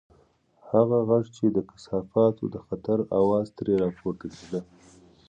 هغه غږ چې د کثافاتو د خطر اواز ترې راپورته کېده.